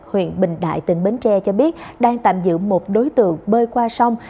huyện bình đại tỉnh bến tre cho biết đang tạm giữ một đối tượng bơi qua sông